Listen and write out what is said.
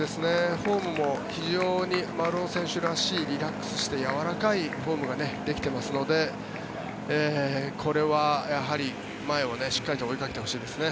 フォームも非常に丸尾選手らしいリラックスしてやわらかいフォームができていますのでこれはやはり、前をしっかりと追いかけてほしいですね。